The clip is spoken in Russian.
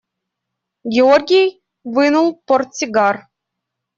Георгий вынул портсигар.